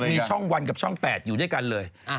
มีช่อง๑และช่อง๘อยู่ด้วยกันเลย